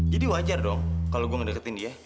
jadi wajar dong kalau gue ngedeketin dia